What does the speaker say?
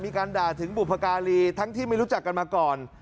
มีการด่าถึงบุพการีทั้งที่ไม่รู้จักกันมาก่อน